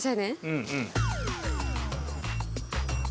うんうん。